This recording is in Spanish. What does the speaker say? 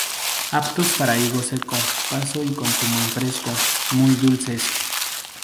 Aptos para higo seco paso y consumo en fresco, muy dulces.